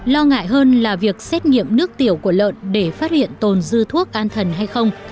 lo ngại hơn là việc xét nghiệm nước tiểu của lợn để phát hiện tồn dư thuốc an thần hay không